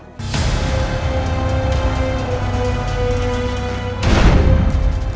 kau tidak bisa mencari hamba